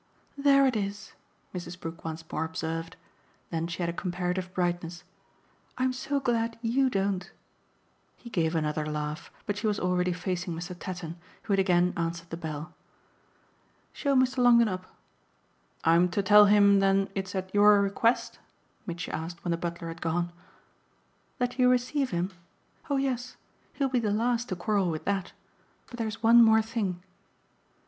"There it is!" Mrs. Brook once more observed. Then she had a comparative brightness. "I'm so glad YOU don't!" He gave another laugh, but she was already facing Mr. Tatton, who had again answered the bell. "Show Mr. Longdon up." "I'm to tell him then it's at your request?" Mitchy asked when the butler had gone. "That you receive him? Oh yes. He'll be the last to quarrel with that. But there's one more thing."